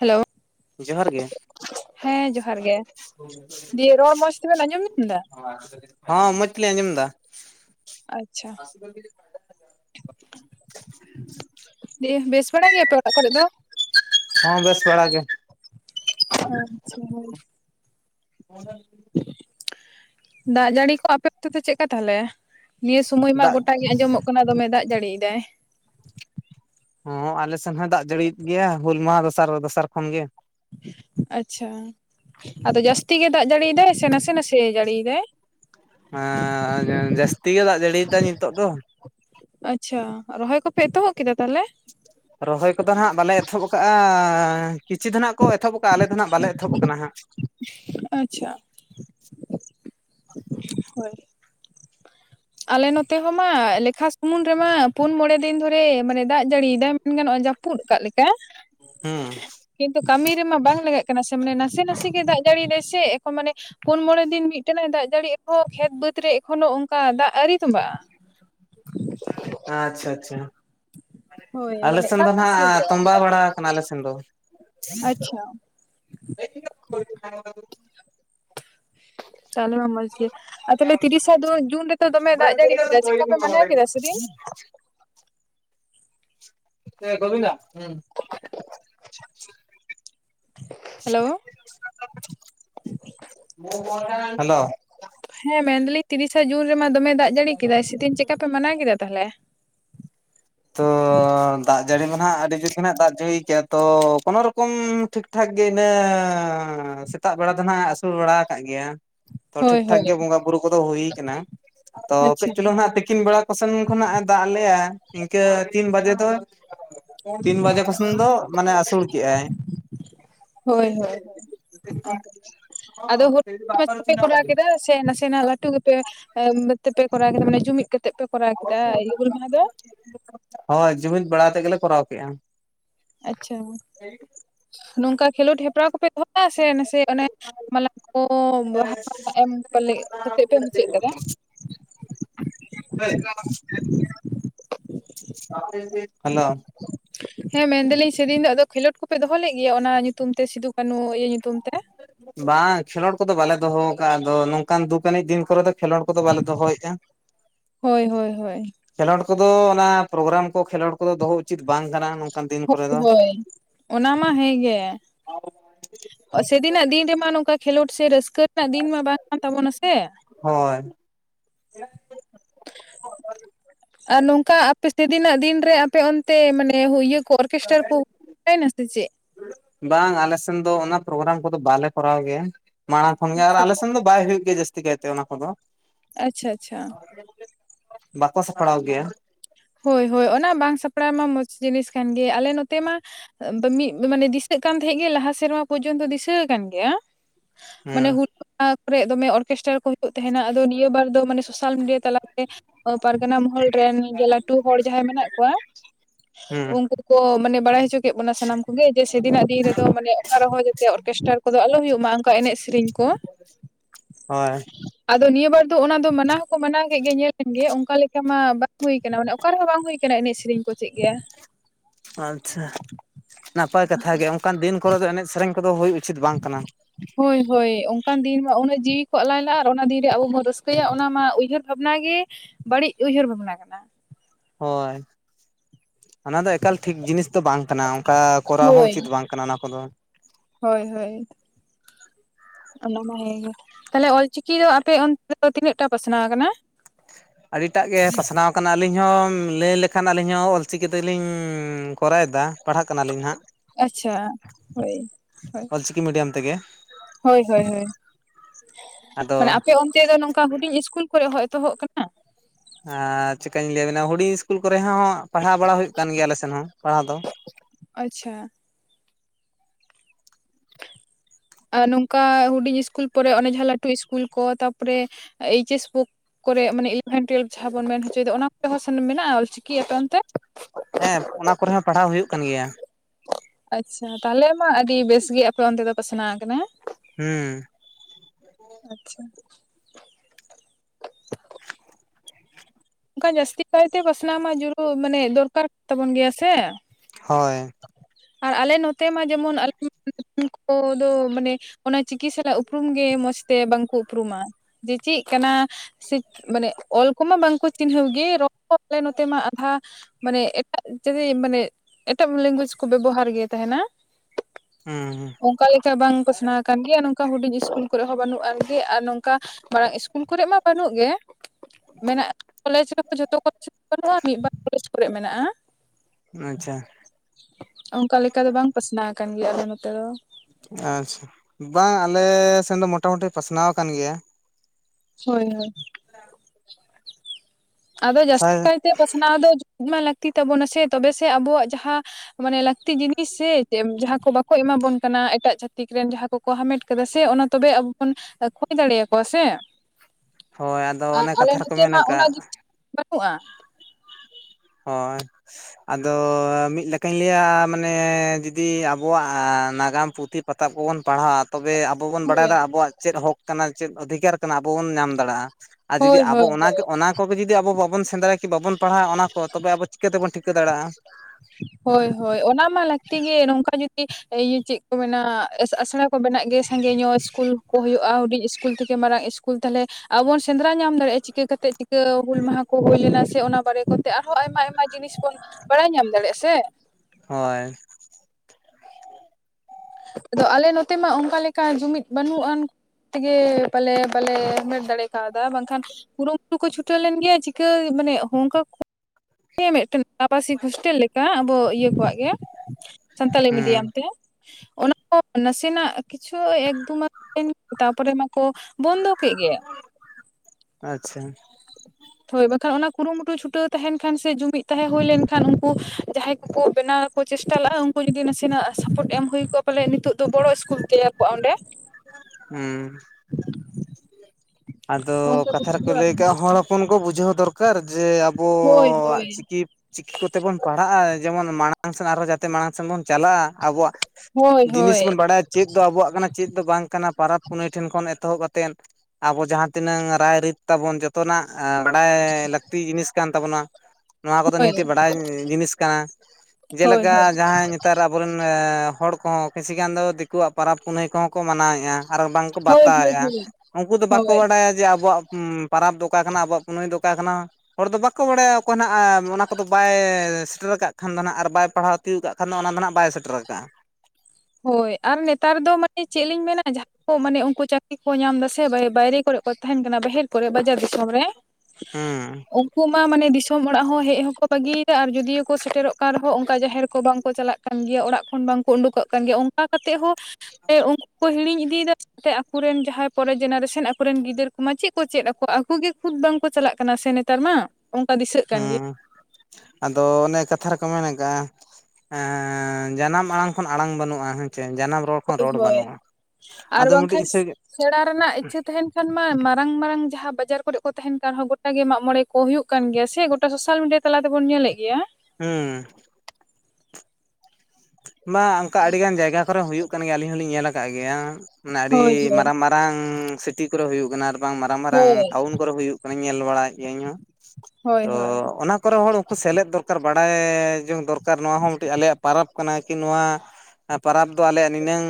ᱦᱮᱞᱳᱜ ᱡᱚᱦᱟᱨ ᱜᱮ ᱦᱮᱸ ᱡᱚᱦᱟᱨ ᱜᱮ, ᱫᱤ ᱨᱚᱲ ᱢᱚᱥ ᱛᱮᱵᱮᱱ ᱟᱸᱡᱚᱢᱮᱜ ᱫᱟ [unintelligible] ᱦᱟᱸ ᱢᱚᱡᱽ ᱛᱮᱞᱤᱧ ᱟᱸᱡᱚᱢ ᱫᱟ ᱟᱪᱪᱷᱟ [unintelligible] ᱫᱤ ᱵᱮᱥ ᱵᱟᱲᱟ ᱜᱮᱭᱟᱯᱮ ᱚᱲᱟᱜ ᱠᱚᱨᱮ ᱫᱚ ᱦᱚᱸ ᱵᱮᱥ ᱵᱟᱲᱟ ᱜᱮ ᱟᱪᱪᱷᱟ ᱦᱳᱭ [unintelligible] ᱫᱟᱜ ᱡᱟᱹᱲᱤ ᱠᱚ ᱟᱯᱮ ᱚᱱᱛᱮ ᱫᱚ ᱪᱮᱫᱞᱮᱠᱟ ᱛᱟᱦᱚᱞᱮ ᱱᱤᱭᱟᱹ ᱥᱚᱢᱚᱭ ᱢᱟ ᱫᱟᱜ ᱜᱚᱴᱟ ᱜᱮ ᱦᱮᱸ ᱟᱸᱡᱚᱢᱚᱜ ᱠᱟᱱᱟ ᱫᱚᱢᱮ ᱫᱟᱜ ᱡᱟᱹᱲᱤ ᱤᱫᱟᱭ ᱦᱚᱸ ᱦᱚᱸ ᱟᱞᱮ ᱥᱮᱱ ᱦᱚᱸᱭ ᱫᱟᱜ ᱡᱟᱹᱲᱤᱭᱮᱫ ᱜᱮᱭᱟ ᱦᱩᱞ ᱢᱟᱦᱟ ᱫᱚᱥᱟᱨ ᱫᱚᱥᱟᱨ ᱠᱷᱚᱱ ᱜᱮ ᱟᱪᱪᱷᱟ ᱟᱫᱚ ᱡᱟᱹᱥᱛᱤ ᱜᱮ ᱫᱟᱜ ᱡᱟᱹᱲᱤᱭ ᱫᱟᱭ ᱥᱮ ᱱᱟᱥᱮ ᱱᱟᱥᱮ ᱡᱟᱹᱲᱤᱭ ᱫᱟᱭ ᱦᱮᱸ... ᱡᱟᱸ ᱡᱟᱹᱥᱛᱤ ᱜᱮ ᱫᱟᱜ ᱡᱟᱹᱲᱤᱭ ᱫᱟᱭ ᱱᱤᱛᱚᱜ ᱫᱚ ᱟᱪᱪᱷᱟ ᱨᱚᱦᱚᱭ ᱠᱚᱯᱮ ᱮᱛᱚᱦᱚᱵ ᱠᱮᱫᱟ ᱛᱟᱦᱚᱞᱮ ᱨᱚᱦᱚᱭ ᱠᱚᱫᱚ ᱦᱟᱸᱜ ᱵᱟᱞᱮ ᱮᱛᱷᱚᱦᱚᱵ ᱠᱟᱜᱼᱟ... ᱠᱤᱪᱷᱤ ᱫᱚ ᱱᱟᱱᱟᱜ ᱠᱚ ᱮᱛᱚᱦᱚᱵ ᱠᱟᱜ-ᱟ ᱟᱞᱮ ᱫᱚ ᱱᱟᱦᱟᱜ ᱵᱟᱞᱮ ᱮᱛᱚᱦᱚᱵ ᱟᱠᱟᱱᱟ ᱦᱟᱜ ᱟᱪᱪᱷᱟ ᱦᱳᱭ ᱟᱞᱮ ᱱᱚᱛᱮ ᱦᱚᱸᱢᱟ ᱞᱮᱠᱷᱟ ᱥᱩᱢᱩᱱ ᱨᱮᱢᱟ ᱯᱩᱱ ᱢᱚᱬᱮ ᱫᱤᱱ ᱫᱷᱚᱨᱮ ᱢᱟᱱᱮ ᱫᱟᱜ ᱡᱟᱹᱲᱤᱭᱫᱟᱭ ᱢᱮᱱ ᱜᱟᱱᱚᱜ-ᱟ ᱡᱟᱹᱯᱩᱫ ᱟᱠᱟᱫ ᱞᱮᱠᱟ ᱦᱩᱸ ᱠᱤᱱᱛᱩ ᱠᱟᱹᱢᱤ ᱨᱮᱢᱟ ᱵᱟᱝ ᱞᱟᱜᱟᱜ ᱠᱟᱱᱟ ᱥᱮ ᱢᱟᱱᱮ ᱱᱟᱥᱮ ᱱᱟᱥᱮ ᱜᱮ ᱫᱟᱜ ᱡᱟᱹᱲᱤ ᱫᱟᱭ ᱥᱮ ᱮᱠᱷᱚᱱ ᱢᱟᱱᱮ ᱯᱩᱱ ᱢᱚᱬᱮ ᱫᱤᱱ ᱢᱤᱫᱴᱮᱱ ᱮ ᱫᱟᱜ ᱡᱟᱹᱲᱤ ᱮᱠᱷᱚᱱ ᱠᱷᱮᱛ ᱵᱟᱹᱛ ᱨᱮ ᱮᱠᱷᱚᱱᱳ ᱚᱱᱠᱟ ᱫᱟᱜ ᱟᱹᱣᱨᱤ ᱥᱟᱢᱵᱷᱟᱣᱜ-ᱟ ᱟᱪᱪᱷᱟ ᱟᱪᱪᱷᱟ ᱦᱳᱭ ᱢᱟᱱᱮ ᱟᱞᱮᱥᱮᱱ ᱮᱠᱟᱞ ᱫᱚ ᱱᱟᱥᱮ ᱷᱟᱜ ᱜᱮ ᱛᱚᱢᱵᱟ ᱵᱟᱲᱟ ᱠᱟᱱᱟ ᱞᱮ ᱥᱮᱱ ᱫᱚ [inaudible] ᱟᱪᱪᱷᱟ ᱛᱟᱦᱞᱮ ᱢᱟ ᱢᱚᱸᱡᱽ ᱜᱮ ᱟᱨ ᱛᱟᱦᱚᱞᱮ ᱛᱤᱨᱤᱥᱮ ᱫᱩ ᱡᱩᱱ ᱨᱮᱫᱚ ᱫᱚᱢᱮ ᱫᱟᱜ ᱡᱟᱹᱲᱤ ᱠᱮᱫᱟ ᱪᱮᱠᱟᱯᱮ ᱢᱟᱱᱟᱣ ᱠᱮᱫᱟ ᱥᱮᱫᱤᱱ ᱮ ᱜᱵᱤᱱᱫᱟ ᱦᱩᱸ [inaudible] [unintelligible] ᱦᱮᱞᱳ [unintelligible] ᱦᱮᱞᱳ ᱦᱮᱸ ᱢᱮᱱᱫᱟᱞᱤᱧ ᱛᱤᱨᱤᱥᱟ ᱡᱩᱱ ᱨᱮᱢᱟ ᱫᱚᱢᱮ ᱫᱟᱜ ᱡᱟᱹᱲᱤ ᱠᱮᱫᱟ ᱥᱮ ᱫᱤᱱ ᱪᱮᱫᱠᱟ ᱯᱮ ᱢᱟᱱᱟᱣ ᱠᱮᱫᱟ ᱛᱟᱦᱮᱞᱮ ᱛᱚ ᱫᱟᱜ ᱡᱟᱹᱲᱤ ᱢᱟ ᱱᱟ ᱦᱟᱸᱜ, ᱟᱹᱰᱤ ᱫᱤᱱ ᱠᱷᱚᱱᱟᱜ ᱫᱟᱜ ᱡᱟᱹᱲᱤ ᱠᱮᱜᱼᱟ, ᱛᱚ ᱠᱳᱱᱳ ᱨᱚᱠᱚᱢ ᱴᱷᱤᱠ ᱴᱷᱟᱠ ᱜᱮ ᱤᱱᱟᱹ... ᱥᱮᱛᱟᱜ ᱵᱮᱲᱟ ᱫᱚ ᱱᱟᱦᱟᱜ-ᱮ ᱟᱹᱥᱩᱲ ᱵᱟᱲᱟ ᱟᱠᱟᱫ ᱜᱮᱭᱟ ᱛᱚ ᱦᱳᱭ ᱴᱷᱤᱠᱴᱷᱟᱠ ᱦᱳᱭ ᱜᱮ ᱵᱚᱸᱜᱟ ᱵᱩᱨᱩ ᱠᱚᱫᱚ ᱦᱩᱭ ᱟᱠᱟᱱᱟ ᱛᱚ ᱠᱟᱹᱪ ᱟᱪᱪᱷᱟ ᱪᱩᱞᱩᱝ ᱦᱟᱸᱜ ᱛᱤᱠᱤᱱ ᱵᱮᱲᱟ ᱚᱠᱟᱥᱮᱱ ᱠᱷᱚᱱᱟᱜ ᱮ ᱫᱟᱜᱼᱟ ᱞᱮᱭᱟ ᱤᱱᱠᱟᱹ ᱛᱤᱱ ᱵᱟᱡᱮ ᱫᱚ ᱛᱤᱱ ᱵᱟᱡᱮ ᱠᱚᱥᱮᱱ ᱫᱚ ᱢᱟᱱᱮ ᱟᱹᱥᱩᱲ ᱠᱮᱜ-ᱟᱭ ᱦᱳᱭ ᱦᱳᱭ ᱦᱳᱭ [unintelligible] ᱟᱫᱚ ᱦᱩ ᱠᱚᱨᱟᱣ ᱠᱮᱫᱟ ᱥᱮ ᱱᱟᱥᱮᱱᱟᱜ ᱞᱟᱹᱴᱩ ᱯᱮ ᱢᱚᱸᱡᱽ ᱛᱮᱯᱮ ᱠᱚᱨᱟᱣ ᱠᱮᱫᱟ ᱢᱟᱱᱮ ᱡᱩᱢᱤᱫᱽ ᱠᱟᱛᱮᱜ ᱯᱮ ᱠᱚᱨᱟᱣ ᱠᱮᱫᱟ ᱤᱭᱟᱹ ᱦᱩᱞ ᱢᱟᱦᱟ ᱫᱚ ᱦᱳᱭ ᱡᱩᱢᱤᱫᱽ ᱵᱟᱲᱟ ᱟᱛᱮ ᱜᱮᱞᱮ ᱠᱚᱨᱟᱣ ᱠᱮᱫᱼᱟ ᱟᱪᱪᱷᱟ ᱱᱚᱝᱠᱟ ᱠᱷᱮᱞᱚᱸᱰ ᱦᱮᱯᱨᱟᱣ ᱠᱚᱯᱮ ᱫᱚᱦᱚᱭᱟ ᱥᱮ ᱱᱟᱥᱮ ᱚᱱᱮ ᱢᱟᱞᱟ ᱠᱚ ᱵᱟᱦᱟ ᱠᱚ ᱮᱢ ᱯᱟᱞᱮ ᱠᱟᱛᱮᱜ ᱯᱮ ᱢᱩᱪᱟᱹᱫ ᱠᱟᱫᱟ? ᱦᱮᱭ ᱦᱮᱞᱳ ᱦᱮᱸ ᱢᱮᱱᱫᱟᱞᱤᱧ ᱥᱮᱫᱤᱱ ᱫᱚ ᱟᱫᱚ ᱠᱷᱮᱞᱳᱰ ᱠᱚᱯᱮ ᱫᱚᱦᱚ ᱞᱮᱜ ᱜᱮᱭᱟ, ᱚᱱᱟ ᱧᱩᱛᱩᱢ ᱛᱮ ᱥᱤᱫᱩ ᱠᱟᱹᱱᱦᱩ ᱤᱭᱟᱹ ᱧᱩᱛᱩᱢ ᱛᱮ? ᱵᱟᱝ ᱠᱷᱮᱞᱳᱰ ᱠᱚᱫᱚ ᱵᱟᱞᱮ ᱫᱚᱦᱚ ᱠᱟᱜᱼᱟ ᱾ ᱟᱫᱚ ᱱᱚᱝᱠᱟᱱ ᱫᱩᱠ ᱟᱹᱱᱤᱡ ᱫᱤᱱ ᱠᱚᱨᱮ ᱫᱚ ᱠᱷᱮᱞᱳᱰ ᱠᱚᱫᱚ ᱵᱟᱞᱮ ᱫᱚᱦᱚᱭᱮᱫᱼᱟ ᱦᱳᱭ ᱦᱳᱭ ᱦᱳᱭ ᱠᱷᱮᱞᱳᱰ ᱠᱚᱫᱚ ᱚᱱᱟ ᱯᱨᱳᱜᱨᱟᱢ ᱠᱚ ᱠᱷᱮᱞᱳᱰ ᱠᱚᱫᱚ ᱫᱚᱦᱚ ᱩᱪᱤᱛ ᱵᱟᱝ ᱠᱟᱱᱟ ᱱᱚᱝᱠᱟᱱ ᱫᱤᱱ ᱠᱚᱨᱮ ᱦᱳᱭ ᱫᱚ ᱦᱳᱭ ᱚᱱᱟ ᱢᱟ ᱦᱮᱸᱜᱮ ᱥᱮᱫᱤᱱᱟᱜ ᱫᱤᱱ ᱨᱮᱢᱟ ᱱᱚᱝᱠᱟ ᱠᱷᱮᱞᱳᱰ ᱥᱮ ᱨᱟᱹᱥᱠᱟᱹ ᱨᱮᱱᱟᱜ ᱫᱤᱱ ᱢᱟ ᱵᱟᱝ ᱠᱟᱱ ᱛᱟᱵᱚᱱᱟ ᱥᱮ ᱦᱳᱭ ᱟᱨ ᱱᱚᱝᱠᱟ ᱟᱯᱮ ᱥᱮᱫᱤᱱᱟᱜ ᱫᱤᱱ ᱨᱮ ᱟᱯᱮ ᱚᱱᱛᱮ ᱢᱟᱱᱮ ᱤᱭᱟᱹ ᱠᱚ ᱠᱮᱥᱴᱟᱨ ᱠᱚᱩᱞᱟᱹᱭ ᱱᱟᱥᱮ ᱪᱮ ᱵᱟᱝ ᱟᱞᱮ ᱥᱮᱱ ᱫᱚ ᱚᱱᱟ ᱯᱨᱳᱜᱨᱟᱢ ᱠᱚᱫᱚ ᱵᱟᱞᱮ ᱠᱚᱨᱟᱣ ᱜᱮᱭᱟ ᱾ ᱢᱟᱲᱟᱝ ᱠᱷᱚᱱᱜᱮ ᱟᱨ ᱟᱪᱪᱷᱟ ᱟᱞᱮ ᱥᱮᱱ ᱫᱚ ᱵᱟᱭ ᱦᱩᱭᱩᱜ ᱜᱮᱭᱟ ᱡᱟᱹᱥᱛᱤ ᱠᱟᱭᱛᱮ ᱚᱱᱟ ᱠᱚᱫᱚ ᱟᱪᱪᱷᱟ-ᱟᱪᱪᱷᱟ ᱾ ᱵᱟᱠᱚ ᱥᱟᱯᱲᱟᱣ ᱜᱮᱭᱟ ᱦᱳᱭ ᱦᱳᱭ ᱚᱱᱟ ᱵᱟᱝ ᱥᱟᱯᱲᱟᱣ ᱢᱟ ᱢᱚᱡᱽ ᱡᱤᱱᱤᱥ ᱠᱟᱱ ᱜᱮ ᱟᱞᱮ ᱱᱚᱛᱮ ᱢᱟ ᱢᱤᱫ ᱢᱟᱱᱮ ᱫᱤᱥᱟᱹᱜ ᱠᱟᱱ ᱛᱮᱦᱮᱸᱜ ᱜᱮ, ᱞᱟᱦᱟ ᱥᱮᱨᱢᱟ ᱯᱚᱨᱡᱚᱱᱛᱚ ᱫᱤᱥᱟᱹ ᱠᱟᱱ ᱜᱮᱭᱟ ᱾ ᱢᱟᱱᱮ ᱦᱩᱸ ᱦᱩ ᱚᱱᱟ ᱠᱚᱨᱮ ᱫᱚᱢᱮ ᱚᱨᱠᱮᱥᱴᱟᱨ ᱠᱚ ᱦᱩᱭᱩᱜ ᱛᱮᱦᱮᱸᱱᱟ ᱾ ᱟᱫᱚ ᱱᱤᱭᱟᱹ ᱵᱟᱨ ᱫᱚ ᱢᱟᱱᱮ ᱥᱳᱥᱟᱞ ᱢᱤᱰᱤᱭᱟ ᱛᱟᱞᱟᱛᱮ ᱯᱟᱨᱜᱟᱱᱟ ᱢᱚᱦᱚᱞ ᱨᱮᱱ ᱞᱟᱹᱴᱩ ᱦᱚᱲ ᱡᱟᱦᱟᱸᱭ ᱢᱮᱱᱟᱜ ᱠᱚᱣᱟ ᱦᱩᱸ ᱩᱱ ᱩᱱᱠᱩ ᱠᱚ ᱢᱟᱱᱮ ᱵᱟᱲᱟᱭ ᱦᱚᱪᱚ ᱠᱚ ᱠᱮᱜ ᱵᱚᱱᱟ ᱥᱟᱱᱟᱢ ᱠᱚᱜᱮ, ᱡᱮ ᱥᱮᱫᱤᱱᱟᱜ ᱫᱤᱱ ᱨᱮᱫᱚ ᱢᱟᱱᱮ ᱚᱠᱟ ᱨᱮᱦᱚᱸ ᱡᱟᱛᱮ ᱚᱨᱠᱮᱥᱴᱟᱨ ᱠᱚᱫᱚ ᱟᱞᱚ ᱦᱩᱭᱩᱜᱼᱢᱟ, ᱚᱱᱠᱟ ᱮᱱᱮᱡ ᱥᱮᱨᱮᱧ ᱠᱚ ᱾ ᱦᱳᱭ ᱟᱫᱚ ᱱᱤᱭᱟᱹ ᱵᱟᱨ ᱫᱚ ᱚᱱᱟ ᱫᱚ ᱢᱟᱱᱟᱣ ᱦᱚᱸᱠᱚ ᱢᱟᱱᱟᱣ ᱠᱮᱫ ᱜᱮ ᱧᱮᱞ ᱠᱮᱫᱜᱮ ᱚᱱᱠᱟ ᱞᱮᱠᱟ ᱢᱟ ᱵᱟᱝ ᱦᱩᱭ ᱟᱠᱟᱱᱟ ᱢᱟᱱᱮ ᱚᱠᱟ ᱨᱮᱦᱚᱸ ᱵᱟᱝ ᱦᱩᱭ ᱠᱟᱱᱟ ᱮᱱᱮᱡ ᱥᱮᱨᱮᱧ ᱠᱚ ᱪᱮᱜ ᱜᱮ ᱾ ᱟᱪᱪᱷᱟ ᱱᱟᱯᱟᱭ ᱠᱟᱛᱷᱟ ᱜᱮ, ᱚᱱᱠᱟᱱ ᱫᱤᱱ ᱠᱚᱨᱮ ᱫᱚ ᱮᱱᱮᱡ ᱥᱮᱨᱮᱧ ᱠᱚᱫᱚ ᱦᱩᱭ ᱩᱪᱤᱛ ᱵᱟᱝ ᱠᱟᱱᱟ ᱾ ᱦᱳᱭ-ᱦᱳᱭ ᱚᱱᱠᱟᱱ ᱫᱤᱱ ᱢᱟ ᱩᱱᱟᱹᱜ ᱡᱤᱣᱤ ᱠᱚ ᱟᱞᱟᱭ ᱞᱟᱜᱼᱟ, ᱟᱨ ᱚᱱᱟ ᱫᱤᱱ ᱨᱮ ᱟᱵᱚ ᱵᱚᱱ ᱨᱟᱹᱥᱠᱟᱹᱭᱟ ᱚᱱᱟ ᱢᱟ ᱩᱭᱦᱟᱹᱨ ᱵᱷᱟᱵᱽᱱᱟ ᱜᱮ ᱵᱟᱹᱲᱤᱡ ᱩᱭᱦᱟᱹᱨ ᱵᱷᱟᱵᱽᱱᱟ ᱠᱟᱱᱟ ᱦᱳᱭ ᱚᱱᱟ ᱫᱚ ᱮᱠᱟᱞ ᱴᱷᱤᱠ ᱡᱤᱱᱤᱥ ᱫᱚ ᱵᱟᱝ ᱠᱟᱱᱟ ᱚᱱᱠᱟ ᱠᱚᱨᱟᱣ ᱦᱚᱸ ᱦᱳᱭ ᱩᱪᱤᱛ ᱵᱟᱝ ᱠᱟᱱᱟ ᱚᱱᱟ ᱠᱚᱫᱚ ᱦᱳᱭ ᱦᱳᱭ ᱚᱱᱟ ᱢᱟ ᱦᱮᱸᱜᱮ ᱛᱟᱦᱞᱮ ᱚᱞᱪᱤᱠᱤ ᱫᱚ ᱟᱯᱮ ᱚᱱᱛᱮ ᱫᱚ, ᱛᱤᱱᱟᱹᱜ ᱴᱟ ᱯᱟᱥᱱᱟᱣ ᱠᱟᱱᱟ? ᱟᱹᱰᱤᱴᱟᱜ ᱜᱮ ᱯᱟᱥᱱᱟᱣ ᱠᱟᱱᱟ ᱟᱹᱞᱤᱧ ᱦᱚᱸ ᱞᱟᱹᱭ ᱞᱮᱠᱷᱟᱱ ᱟᱹᱞᱤᱧ ᱦᱚᱸ ᱚᱞᱪᱤᱠᱤ ᱛᱮᱜᱮᱞᱤᱧ ᱠᱚᱨᱟᱣᱫᱟ ᱾ ᱟᱪᱪᱷᱟ ᱦᱳᱭ-ᱦᱳᱭ ᱾ ᱚᱞᱪᱤᱠᱤ ᱢᱤᱰᱤᱭᱟᱢ ᱛᱮᱜᱮ ᱦᱳᱭᱻᱦᱳᱭᱻᱦᱳᱭ, ᱟᱫᱚ ᱢᱟᱱᱮ ᱟᱯᱮ ᱚᱱᱛᱮ ᱫᱚ ᱱᱚᱝᱠᱟ ᱦᱩᱰᱤᱧ ᱤᱥ ᱤᱥᱠᱩᱞ ᱠᱚᱨᱮ ᱦᱚᱸ ᱮᱛᱚᱦᱚᱜ ᱠᱟᱱᱟ ᱾ ᱟᱨ ᱪᱤᱠᱠᱟᱹᱧ ᱞᱟᱹᱭᱟᱵᱮᱱᱟ ᱦᱩᱰᱤᱧ ᱤᱥᱠᱩᱞ ᱠᱚᱨᱮ ᱦᱚᱸ ᱯᱟᱲᱦᱟᱣ ᱵᱟᱲᱟ ᱦᱩᱭᱩᱜ ᱠᱟᱱ ᱜᱮᱭᱟ ᱟᱞᱮ ᱥᱮᱱ ᱦᱚᱸ ᱯᱟᱲᱦᱟᱣ ᱫᱚ ᱟᱪᱪᱷᱟ ᱟᱨ ᱱᱚᱝᱠᱟ ᱦᱩᱰᱤᱧ ᱤᱥᱠᱩᱞ ᱯᱚᱨᱮ, ᱚᱱᱮ ᱡᱟᱦᱟᱸ ᱞᱟᱹᱴᱩ ᱤᱥᱠᱩᱞ ᱠᱚ ᱛᱟᱨᱯᱚᱨᱮ ᱮᱭᱤᱪ ᱮᱥ ᱠᱚ ᱠᱚᱨᱮ ᱢᱟᱱᱮ ᱤᱞᱮᱵᱷᱮᱱ ᱴᱩᱭᱮᱞᱵᱷ ᱡᱟᱦᱟᱸ ᱵᱚᱱ ᱢᱮᱱ ᱦᱚᱪᱚᱭᱮᱫᱟ ᱚᱱᱟ ᱠᱚᱨᱮ ᱦᱚᱸ ᱢᱮᱱᱟᱜᱼᱟ ᱚᱞᱪᱤᱠᱤ ᱮᱯᱮ ᱚᱱ ᱛᱮ ᱦᱮᱸ ᱚᱱᱟ ᱠᱚᱨᱮ ᱦᱚᱸ ᱯᱟᱲᱦᱟᱣ ᱦᱩᱭᱩᱜ ᱠᱟᱱ ᱜᱮᱭᱟ ᱟᱪᱪᱷᱟ ᱛᱟᱦᱞᱮ ᱢᱟ ᱟᱹᱰᱤ ᱵᱮᱥ ᱜᱮ ᱟᱯᱮ ᱚᱱᱛᱮ ᱫᱚ ᱯᱟᱥᱱᱟᱣ ᱟᱠᱟᱱᱟ ᱦᱮᱸ ᱟᱪᱪᱷᱟ ᱚᱱᱠᱟ ᱡᱟᱹᱥᱛᱤ ᱠᱟᱭᱛᱮ ᱯᱟᱥᱱᱟᱣ ᱢᱟ ᱡᱩᱨᱩ ᱢᱟᱱᱮ ᱫᱚᱨᱠᱟᱨ ᱛᱟᱵᱚᱱ ᱜᱮᱭᱟ ᱥᱮ ᱦᱳᱭ ᱟᱨ ᱟᱞᱮ ᱱᱚᱛᱮ ᱢᱟ ᱡᱮᱢᱚᱱ ᱩᱱᱠᱩ ᱫᱚ ᱢᱟᱱᱮ ᱚᱱᱟ ᱪᱤᱠᱤ ᱥᱟᱞᱟᱜ ᱩᱯᱨᱩᱢ ᱜᱮ ᱢᱚᱸᱡᱽ ᱛᱮ ᱵᱟᱝᱠᱚ ᱩᱯᱨᱩᱢᱟ ᱡᱮ ᱪᱮᱫ ᱠᱟᱱᱟ ᱥᱮ ᱢᱟᱱᱮ ᱚᱞ ᱠᱚᱢᱟ ᱵᱟᱝᱠᱚ ᱪᱤᱱᱦᱟᱹᱣ ᱜᱮ [unintelligible] ᱟᱞᱮ ᱱᱚᱛᱮ ᱢᱟ ᱟᱫᱷᱟ ᱢᱟᱱᱮ ᱮᱴᱟᱜ ᱡᱟᱹᱫᱤ ᱢᱟᱱᱮ ᱮᱴᱟᱜ ᱞᱮᱝᱜᱽᱣᱮᱡᱽ ᱠᱚ ᱵᱮᱵᱚᱦᱟᱨ ᱜᱮ ᱛᱟᱦᱮᱸᱱᱟ ᱦᱩᱸᱦᱩᱸ ᱳᱱᱠᱟ ᱞᱮᱠᱟ ᱵᱟᱝ ᱯᱟᱥᱱᱟᱣ ᱟᱠᱟᱱ ᱜᱮᱭᱟ ᱱᱳᱝᱠᱟ ᱦᱩᱰᱤᱧ ᱤᱥᱠᱩᱞ ᱠᱚᱨᱮ ᱦᱚᱸ ᱵᱟᱹᱱᱩᱜ ᱟᱨ ᱱᱚᱝᱠᱟ ᱢᱟᱲᱟᱝ ᱥᱠᱩᱞ ᱠᱚᱨᱮ ᱢᱟ ᱵᱟᱹᱱᱩᱜ ᱜᱮ ᱢᱮᱱᱟᱜᱼᱟ ᱠᱚᱞᱮᱡᱽ ᱨᱮᱫᱚ ᱡᱚᱛᱚ ᱠᱚ ᱵᱟᱹᱱᱩᱜᱼᱟ ᱢᱤᱫ ᱵᱟᱨ ᱠᱚᱞᱮᱡᱽ ᱠᱚᱨᱮᱜ ᱢᱮᱱᱟᱜᱼᱟ ᱟᱪᱪᱷᱟ ᱚᱱᱠᱟ ᱞᱮᱠᱟ ᱫᱚ ᱵᱟᱝ ᱯᱟᱥᱱᱟᱣ ᱟᱠᱟᱱ ᱜᱮᱭᱟ ᱟᱞᱮ ᱱᱚᱛᱮ ᱫᱚ ᱟᱪᱪᱷᱟ ᱵᱟᱝ ᱟᱞᱮ ᱥᱮᱱ ᱫᱚ ᱢᱚᱴᱟᱢᱩᱴᱤ ᱯᱟᱥᱱᱟᱣ ᱟᱠᱟᱱ ᱜᱮᱭᱟ ᱦᱳᱭ ᱦᱳᱭ ᱟᱫᱚ ᱡᱟᱹᱥᱛᱤ ᱥᱟᱭ ᱠᱟᱭᱛᱮ ᱯᱟᱥᱱᱟᱣ ᱫᱚ ᱡᱩ ᱢᱟ ᱞᱟᱹᱠᱛᱤ ᱛᱟᱵᱚᱱᱟ ᱥᱮ ᱛᱚᱵᱮ ᱥᱮ ᱟᱵᱚᱣᱟᱜ ᱡᱟᱦᱟᱸ ᱢᱟᱱᱮ ᱞᱟᱹᱠᱛᱤ ᱡᱤᱱᱤᱥ ᱥᱮ ᱡᱟᱦᱟᱸ ᱠᱚ ᱵᱟᱠᱚ ᱮᱢᱟ ᱵᱚᱱ ᱠᱟᱱᱟ ᱮᱴᱟᱜ ᱪᱷᱟᱹᱛᱤᱠ ᱨᱮᱱ ᱡᱟᱦᱟᱸ ᱠᱚ ᱦᱟᱢᱮᱴ ᱠᱟᱫᱟ ᱥᱮ ᱚᱱᱟ ᱛᱚᱵᱮ ᱟᱵᱚ ᱵᱚᱱ ᱠᱷᱚᱭ ᱫᱟᱲᱮ ᱟᱠᱚᱣᱟ ᱥᱮ ᱦᱳᱭ ᱟᱫᱚ ᱟᱨ ᱚᱱᱮ ᱟᱞᱮ ᱠᱟᱛᱷᱟ ᱨᱮᱠᱚ ᱱᱚᱛᱮ ᱢᱮᱱ ᱢᱟ ᱚᱱᱟ ᱟᱠᱟᱜ ᱡᱤᱱᱤᱥ ᱵᱟᱹᱱᱩᱜᱼᱟ ᱦᱳᱭ ᱟᱫᱚ ᱢᱤᱫ ᱞᱮᱠᱟᱹᱧ ᱞᱟᱹᱭᱟ ᱢᱟᱱᱮ ᱫᱤᱫᱤ ᱟᱵᱚᱣᱟᱜ ᱱᱟᱜᱟᱢ ᱯᱩᱛᱷᱤ ᱯᱚᱛᱟᱵᱽ ᱠᱚᱵᱚᱱ ᱯᱟᱲᱦᱟᱣᱟ ᱛᱚᱵᱮ ᱟᱵᱚ ᱵᱚᱱ ᱦᱳᱭ ᱵᱟᱲᱟᱭᱮᱫᱟ ᱟᱵᱚᱣᱟᱜ ᱪᱮᱫ ᱦᱚᱸᱠ ᱠᱟᱱᱟ ᱪᱮᱫ ᱚᱫᱷᱤᱠᱟᱨ ᱠᱟᱱᱟ ᱟᱵᱚ ᱵᱚᱱ ᱧᱟᱢ ᱫᱟᱲᱮᱭᱟᱜᱼᱟ ᱟᱨ ᱡᱩᱫᱤ ᱦᱳᱭ ᱟᱵᱚ ᱦᱳᱭ ᱦᱳᱭ ᱚᱱᱟ ᱜᱮ ᱚᱱᱟ ᱠᱚᱜᱮ ᱡᱩᱫᱤ ᱵᱟᱵᱚᱱ ᱥᱮᱫᱽᱨᱟᱭᱟ ᱡᱩᱫᱤ ᱵᱟᱵᱚᱱ ᱯᱟᱲᱦᱟᱜᱼᱟ ᱚᱱᱟ ᱠᱚ ᱛᱚᱵᱮ ᱟᱵᱚ ᱪᱤᱠᱟᱹ ᱛᱮᱵᱚᱱ ᱴᱷᱤᱠᱟᱹ ᱫᱟᱲᱮᱭᱟᱜᱼᱟ ᱦᱳᱭ ᱦᱳᱭ ᱚᱱᱟ ᱢᱟ ᱞᱟᱹᱠᱛᱤ ᱜᱮ ᱱᱚᱝᱠᱟ ᱡᱩᱫᱤ ᱤᱭᱟᱹ ᱪᱮᱫ ᱠᱚ ᱢᱮᱱᱟ ᱟᱥᱲᱟ ᱠᱚ ᱵᱮᱱᱟᱜ ᱜᱮ ᱥᱟᱸᱜᱮ ᱧᱚᱜ ᱤᱥᱠᱩᱞ ᱠᱚ ᱦᱩᱭᱩᱜᱼᱟ ᱦᱩᱰᱤᱧ ᱤᱥᱠᱩᱞ ᱛᱷᱮᱠᱮ ᱢᱟᱨᱟᱝ ᱤᱥᱠᱩᱞ ᱛᱟᱦᱚᱞᱮ ᱟᱵᱚ ᱵᱚᱱ ᱥᱮᱸᱫᱽᱨᱟ ᱧᱟᱢ ᱫᱟᱲᱮᱭᱟᱜᱼᱟ ᱪᱤᱠᱟᱹ ᱠᱟᱛᱮᱫ ᱪᱤᱠᱟᱹ ᱦᱩᱞ ᱢᱟᱦᱟ ᱠᱚ ᱦᱩᱭ ᱞᱮᱱᱟ ᱥᱮ ᱚᱱᱟ ᱵᱟᱨᱮ ᱠᱚᱛᱮ ᱟᱨᱦᱚᱸ ᱟᱭᱢᱟ ᱟᱭᱢᱟ ᱡᱤᱱᱤᱥ ᱵᱚᱱ ᱵᱟᱲᱟᱭ ᱧᱟᱢ ᱫᱟᱲᱮᱭᱟᱜᱼᱟ ᱥᱮ ᱦᱳᱭ ᱟᱫᱚ ᱟᱞᱮ ᱱᱚᱛᱮ ᱢᱟ ᱳᱱᱠᱟ ᱞᱮᱠᱟ ᱡᱩᱢᱤᱫ ᱵᱟᱹᱱᱩᱜᱼᱟᱱ ᱛᱮᱜᱮ ᱯᱟᱞᱮ ᱵᱟᱞᱮ ᱦᱟᱢᱮᱴ ᱫᱟᱲᱮ ᱠᱟᱣᱫᱟ ᱵᱟᱝᱠᱷᱟᱱ ᱠᱩᱨᱩᱢᱩᱴᱩ ᱠᱚ ᱪᱷᱩᱴᱟᱹᱣ ᱞᱮᱱ ᱜᱮᱭᱟ ᱪᱤᱠᱟᱹ ᱢᱟᱱᱮ ᱱᱚᱝᱠᱟ ᱢᱤᱫᱴᱮᱱ ᱟᱵᱟᱥᱤᱠ ᱦᱳᱥᱴᱮᱞ ᱞᱮᱠᱟ ᱟᱵᱚ ᱤᱭᱟᱹ ᱠᱚᱣᱟᱜ ᱜᱮ ᱥᱟᱱᱛᱟᱞᱤ ᱦᱩᱸ ᱢᱤᱰᱤᱭᱟᱢ ᱛᱮ ᱚᱱᱟ ᱱᱟᱥᱮᱱᱟᱜ ᱠᱤᱪᱷᱩ ᱮᱠᱫᱩ ᱛᱟᱨᱯᱚᱨᱮ ᱱᱳᱠᱳ ᱵᱚᱱᱫᱚ ᱠᱮᱫ ᱜᱮ ᱟᱪᱪᱷᱟ ᱦᱳᱭ ᱵᱟᱠᱷᱟᱱ ᱚᱱᱟ ᱠᱩᱨᱩᱢᱩᱴᱩ ᱪᱷᱩᱴᱟᱹᱣ ᱛᱟᱦᱮᱸᱱ ᱠᱷᱟᱱ ᱥᱮ ᱡᱩᱢᱤᱫ ᱛᱟᱦᱮᱸ ᱦᱩᱭ ᱞᱮᱱᱠᱷᱟᱱ ᱩᱱᱠᱩ ᱡᱟᱦᱟᱸᱭ ᱠᱚ ᱠᱚ ᱵᱮᱱᱟᱣ ᱠᱚ ᱪᱮᱥᱴᱟ ᱞᱟᱜᱼᱟ ᱩᱱᱠᱩ ᱡᱩᱫᱤ ᱱᱟᱥᱮᱱᱟᱜ ᱥᱟᱯᱳᱴ ᱮᱢ ᱦᱩᱭ ᱠᱚᱜᱼᱟ ᱯᱟᱞᱮ ᱱᱤᱛᱚᱜ ᱫᱚ ᱵᱚᱲᱚ ᱥᱤᱥᱠᱩᱞ ᱠᱮᱭᱟ ᱠᱚ ᱚᱸᱰᱮ ᱦᱩᱸ ᱟᱫᱚ ᱚᱱᱠᱟ ᱠᱟᱛᱷᱟ ᱠᱟᱛᱮ ᱨᱮᱠᱚ ᱜᱮ ᱵᱟᱝ ᱞᱟᱹᱭ ᱦᱩᱭ ᱠᱟᱫᱼᱟ ᱦᱚᱲ ᱦᱚᱯᱚᱱ ᱠᱚ ᱵᱩᱡᱷᱟᱹᱣ ᱫᱚᱨᱠᱟᱨ ᱡᱮ ᱠᱟᱱᱟ᱾ ᱦᱳᱭ ᱟᱵᱚᱣᱟᱜ ᱦᱳᱭ ᱪᱤᱠᱤ ᱪᱤᱠᱤ ᱠᱚᱛᱮ ᱵᱚᱱ ᱯᱟᱲᱦᱟᱜᱼᱟ ᱡᱮᱢᱚᱱ ᱢᱟᱲᱟᱝ ᱥᱮᱱ ᱟᱨᱦᱚᱸ ᱡᱟᱛᱮ ᱢᱟᱲᱟᱝ ᱥᱮᱱ ᱵᱚᱱ ᱪᱟᱞᱟᱜᱼᱟ ᱟᱵᱚᱣᱟᱜ ᱦᱳᱭ ᱦᱳᱭ ᱡᱤᱱᱤᱥ ᱵᱚᱱ ᱦᱳᱭ ᱵᱟᱲᱟᱭᱟ ᱪᱮᱫ ᱫᱚ ᱟᱵᱚᱣᱟᱜ ᱠᱟᱱᱟ ᱪᱮᱫ ᱫᱚ ᱵᱟᱝ ᱠᱟᱱᱟ ᱯᱟᱨᱟᱵᱽ ᱯᱩᱱᱟᱹᱭ ᱴᱷᱮᱱ ᱠᱷᱚᱱ ᱮᱛᱚᱦᱚᱵ ᱟᱛᱮᱱ᱾ ᱟᱵᱚ ᱡᱟᱦᱟᱸ ᱛᱤᱱᱟᱹᱝ ᱨᱟᱭ ᱨᱤᱛ ᱛᱟᱵᱚᱱ ᱡᱚᱛᱚᱱᱟᱜ ᱵᱟᱰᱟᱭ ᱞᱟᱹᱠᱛᱤ ᱡᱤᱱᱤᱥ ᱠᱟᱱ ᱛᱟᱵᱚᱱᱟ, ᱱᱚᱣᱟ ᱠᱚᱫᱚ ᱱᱤᱦᱟᱹᱛᱤ ᱵᱟᱰᱟᱭ ᱡᱤᱱᱤᱥ ᱠᱟᱱᱟ, ᱦᱳᱭ ᱡᱮᱞᱮᱠᱟ ᱦᱳᱭ ᱡᱟᱦᱟᱸᱭ ᱱᱮᱛᱟᱨ ᱟᱵᱚᱨᱮᱱ ᱦᱚᱲ ᱠᱚᱦᱚᱸ ᱠᱤᱪᱷᱤ ᱜᱟᱱ ᱫᱚ ᱫᱤᱠᱩᱣᱟᱜ ᱯᱟᱨᱟᱵᱽ ᱯᱩᱱᱟᱹᱭ ᱠᱚᱦᱚᱸ ᱠᱚ ᱢᱟᱱᱟᱣᱮᱫᱼᱟ᱾ ᱟᱨ ᱵᱟᱝ ᱠᱚ ᱦᱳᱭ ᱵᱟᱛᱟᱣᱮᱫᱼᱟ ᱦᱳᱭ ᱩᱝᱠᱩ ᱫᱚ ᱵᱟᱠᱚ ᱦᱳᱭ ᱵᱟᱰᱟᱭᱟ ᱡᱮ ᱟᱵᱚᱣᱟᱜ ᱯᱟᱨᱟᱵᱽ ᱫᱚ ᱚᱠᱟ ᱠᱟᱱᱟ, ᱟᱵᱚᱣᱟᱜ ᱯᱩᱱᱟᱹᱭ ᱫᱚ ᱚᱠᱟ ᱠᱟᱱᱟ, ᱦᱚᱲ ᱫᱚ ᱵᱟᱠᱚ ᱵᱟᱰᱟᱭᱟ᱾ ᱠᱚᱭ ᱱᱟᱦᱟᱜ ᱚᱱᱟ ᱠᱚᱫᱚ ᱵᱟᱭ ᱥᱮᱴᱮᱨ ᱠᱟᱜ ᱠᱷᱟᱱ ᱫᱚ ᱱᱟᱦᱟᱜ ᱟᱨ ᱵᱟᱭ ᱯᱟᱲᱦᱟᱣ ᱛᱤᱭᱳᱜ ᱠᱟᱜ ᱠᱷᱟᱱ ᱫᱚ ᱚᱱᱟ ᱫᱚ ᱱᱟᱜ ᱵᱟᱭ ᱥᱮᱴᱮᱨ ᱠᱟᱜᱼᱟ᱾ ᱦᱳᱭ ᱟᱨ ᱱᱮᱛᱟᱨ ᱫᱚ ᱢᱟᱱᱮ ᱪᱮᱜ ᱞᱤᱧ ᱢᱮᱱᱟ ᱡᱟᱦ ᱠᱚ ᱢᱟᱱᱮ ᱩᱝᱠᱩ ᱪᱟᱹᱠᱨᱤ ᱠᱚ ᱧᱟᱢ ᱫᱟᱥᱮ ᱵᱟᱭᱨᱮ ᱠᱚᱨᱮ ᱠᱚ ᱛᱟᱦᱮᱱ ᱠᱟᱱᱟ ᱵᱟᱦᱮᱨ ᱠᱚᱨᱮ ᱵᱟᱡᱟᱨ ᱫᱤᱥᱚᱢ ᱨᱮ ᱦᱩᱸ ᱩᱱᱠᱩᱢ ᱢᱟ ᱢᱟᱱᱮ ᱫᱤᱥᱚᱢ ᱚᱲᱟᱜ ᱦᱚᱸ ᱦᱮᱡ ᱦᱚᱸᱠᱚ ᱵᱟᱹᱜᱤ ᱮᱫᱟ ᱟᱨ ᱡᱩᱫᱤᱭᱟᱹᱠᱚ ᱥᱮᱴᱮᱨᱚᱜ ᱠᱟᱱ ᱨᱮᱦᱚᱸ ᱚᱱᱠᱟ ᱡᱟᱦᱮᱨ ᱠᱚ ᱵᱟᱝᱠᱚ ᱪᱟᱞᱟᱜ ᱠᱟᱱᱟ ᱠᱟᱱ ᱜᱮᱭᱟ ᱚᱲᱟᱜ ᱠᱷᱚᱱ ᱵᱟᱝᱠᱚ ᱩᱰᱩᱠᱚᱜ ᱠᱟᱱ ᱜᱮᱭᱟ ᱚᱱᱠᱟ ᱠᱟ ᱠᱟᱛᱮᱫ ᱦᱚᱸ ᱩᱱᱠᱩ ᱠᱚ ᱦᱤᱲᱤᱧ ᱤᱫᱤᱭᱮᱫᱟ ᱛᱮ ᱟᱠᱚᱨᱮᱱ ᱡᱟᱦᱟᱸᱭ ᱯᱚᱨᱮ ᱡᱮᱱᱟᱨᱮᱥᱮᱱ ᱟᱠᱚᱨᱮᱱ ᱜᱤᱫᱟᱹᱨ ᱠᱚᱢᱟ ᱪᱮᱫ ᱠᱚ ᱪᱮᱫ ᱟᱠᱩ-ᱟ, ᱟᱠᱚ ᱜᱮ ᱠᱷᱩᱫ ᱵᱟᱝᱠᱚ ᱪᱟᱞᱟᱜ ᱠᱟᱱᱟ ᱥᱮ ᱱᱮᱛᱟᱨ ᱢᱟ ᱚᱱᱠᱟ ᱫᱤᱥᱟᱹᱜ ᱠᱟᱱ ᱜᱮᱭᱟ ᱦᱮᱸ ᱟᱫᱚ ᱚᱱᱮ ᱠᱟᱛᱷᱟ ᱨᱮᱠᱚ ᱢᱮᱱ ᱠᱟᱜᱼᱟ᱾ ᱦᱮᱸᱻᱡᱟᱱᱟᱢ ᱟᱲᱟᱝ ᱠᱷᱚᱱ ᱟᱲᱟᱝ ᱵᱟᱹᱱᱩᱜᱼᱟ ᱦᱮᱸ ᱪᱮ, ᱡᱟᱱᱟᱢ ᱨᱚᱲ ᱠᱷᱚᱱ ᱦᱳᱭ ᱨᱚᱲ ᱦᱳᱭ ᱵᱟᱹᱱᱩᱜᱼᱟ ᱟᱨ ᱟᱫᱚ ᱢᱤᱫ ᱴᱤᱡ ᱵᱟᱝᱠᱷᱟᱱ ᱥᱟᱹᱜᱟᱹᱭ ᱥᱮᱬᱟ ᱨᱮᱱᱟᱜ ᱤᱪᱷᱟᱹ ᱛᱟᱦᱮᱱ ᱠᱷᱟᱱ ᱢᱟ ᱢᱟᱨᱟᱝ ᱢᱟᱨᱟᱝ ᱡᱟᱦᱟᱸ ᱵᱟᱡᱟᱨ ᱠᱚᱨᱮ ᱠᱚ ᱛᱟᱸᱦᱮᱱ ᱠᱟᱱ ᱨᱮᱦᱚᱸ ᱜᱚᱴᱟ ᱜᱮ ᱢᱟᱜᱽᱢᱚᱬᱮ ᱠᱚ ᱦᱩᱭᱩᱜ ᱠᱟᱱ ᱜᱮᱭᱟ ᱥᱮ ᱜᱚᱴᱟ ᱥᱳᱥᱟᱞ ᱢᱤᱰᱤᱭᱟ ᱛᱟᱞᱟ ᱛᱮᱵᱚᱱ ᱧᱮᱞᱮᱫ ᱜᱮᱭᱟ ᱦᱩᱸ ᱵᱟᱝ ᱚᱱᱠᱟ ᱟᱹᱰᱤ ᱜᱟᱱ ᱡᱟᱭᱜᱟ ᱠᱚᱨᱮ ᱦᱩᱭᱩᱜᱭ ᱠᱟᱱ ᱜᱮᱭᱟ ᱟᱹᱞᱤᱧ ᱦᱚᱞᱤᱧ ᱧᱮᱞ ᱟᱠᱟᱫ ᱜᱮᱭᱟ ᱢᱟᱱᱮ ᱟᱹᱰᱤ ᱦᱳᱭ ᱦᱳᱭ ᱢᱟᱨᱟᱝ ᱢᱟᱨᱟᱝ ᱢᱟᱨᱟᱝ ᱥᱤᱴᱤ ᱠᱚᱨᱮ ᱦᱩᱭᱩᱜ ᱠᱟᱱᱟ ᱟᱨ ᱵᱟᱝ ᱢᱟᱨᱟᱝ ᱢᱟᱨᱟᱝ ᱦᱳᱭ ᱴᱟᱣᱩᱱ ᱠᱚᱨᱮ ᱦᱩᱭᱩᱜ ᱠᱟᱱᱟ ᱧᱮᱞ ᱵᱟᱲᱟᱭᱮᱫ ᱜᱮᱭᱟ ᱤᱧᱦᱚᱸ ᱦᱳᱭ ᱛᱚ ᱦᱳᱭ ᱚᱱᱟ ᱠᱚᱨᱮ ᱦᱚᱲ ᱩᱱᱠᱩ ᱥᱮᱞᱮᱫ ᱫᱚᱨᱠᱟᱨ ᱥᱚᱨᱠᱟᱨ ᱵᱟᱲᱟᱭ ᱡᱚᱝ ᱫᱚᱨᱠᱟᱨ ᱱᱚᱶᱟ ᱦᱚᱸ ᱢᱤᱫ ᱴᱤᱡ ᱟᱞᱮᱭᱟᱜ ᱯᱟᱨᱟᱵᱽ ᱠᱟᱱᱟ ᱠᱤ ᱱᱚᱪᱟ ᱯᱟᱨᱟᱵᱽ ᱛᱚ ᱟᱞᱮᱭᱟᱜ ᱱᱤᱱᱟᱹᱝ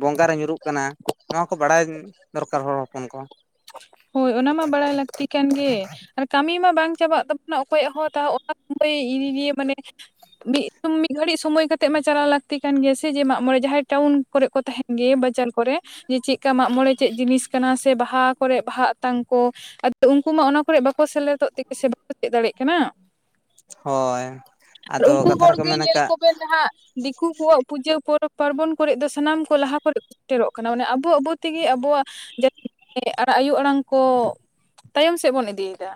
ᱵᱚᱸᱜᱟ ᱨᱮ ᱧᱩᱨᱩᱜ ᱠᱟᱱᱟ ᱱᱚᱣᱟ ᱠᱚ ᱵᱟᱲᱟᱭ ᱫᱚᱨᱠᱟᱨ ᱦᱚᱲ ᱦᱚᱯᱚᱱ ᱠᱚ ᱦᱳᱭ ᱚᱱᱟ ᱢᱟ ᱵᱟᱲᱟᱭ ᱞᱟᱹᱠᱛᱤ ᱠᱟᱱ ᱜᱮ ᱟᱨ ᱠᱟᱹᱢᱤ ᱢᱟ ᱵᱟᱝ ᱪᱟᱵᱟᱜ ᱛᱟᱵᱚᱱᱟ ᱚᱠᱚᱭᱟᱜ ᱦᱚᱸ ᱚᱱᱟ ᱥᱚᱢᱚᱭᱤᱭᱮ ᱢᱟᱱᱮ ᱢᱤᱫ ᱢᱤᱫ ᱜᱷᱟᱹᱲᱤᱡ ᱥᱚᱢᱚᱭ ᱠᱟᱛᱮᱜ ᱢᱟ ᱪᱟᱞᱟᱣ ᱞᱟᱹᱠᱛᱤ ᱠᱟᱱ ᱜᱮᱭᱟ ᱥᱮ ᱡᱮ ᱢᱟᱜᱽᱢᱚᱬᱮ ᱡᱟᱦᱟᱸᱭ ᱴᱟᱣᱩᱱ ᱠᱚᱨᱮ ᱠᱚ ᱛᱟᱸᱦᱮᱱ ᱜᱮ ᱵᱟᱡᱟᱨ ᱠᱚᱨᱮ ᱡᱮ ᱪᱮᱫᱠᱟ ᱢᱟᱜᱽᱢᱚᱬᱮ ᱪᱮᱫ ᱡᱤᱱᱤᱥ ᱠᱟᱱᱟ ᱥᱮ ᱵᱟᱦᱟ ᱠᱚᱨᱮ ᱵᱟᱦᱟ ᱠᱟᱱ ᱠᱚ ᱟᱫᱚ ᱩᱱᱠᱩ ᱢᱟ ᱚᱱᱟ ᱠᱚᱨᱮ ᱵᱟᱠᱚ ᱥᱮᱞᱮᱫᱚᱜ ᱛᱮ ᱥᱮ ᱵᱟᱠᱚ ᱪᱮᱫ ᱫᱟᱲᱮᱭᱟᱜ ᱠᱟᱱᱟ ᱦᱳᱭ ᱟᱫᱚ ᱩᱱᱠᱩ ᱠᱟᱛᱷᱟ ᱦᱚᱲ ᱨᱮᱠᱚ ᱜᱮ ᱢᱮᱱ ᱧᱮᱞ ᱟᱠᱟᱫ ᱠᱚᱵᱮᱱ ᱦᱟᱸᱜ ᱫᱤᱠᱩ ᱠᱚᱣᱟᱜ ᱯᱩᱡᱟᱹ ᱯᱚᱨᱚᱵᱽ ᱯᱟᱨᱵᱚᱱ ᱠᱚᱨᱮᱫ ᱫᱚ ᱥᱟᱱᱟᱢ ᱠᱚ ᱞᱟᱦᱟ ᱠᱚᱨᱮ ᱥᱮᱴᱮᱨᱚᱜ ᱠᱟᱱᱟ ᱢᱟᱱᱮ ᱟᱵᱚ ᱟᱵᱚ ᱛᱮᱜᱮ ᱟᱵᱚᱣᱟᱜ ᱡᱟᱹᱛᱤ [unintelligible] ᱟᱭᱳ ᱟᱲᱟᱝ ᱠᱚ ᱛᱟᱭᱚᱢ ᱥᱮᱫ ᱵᱚᱱ ᱤᱫᱤᱭᱮᱫᱟ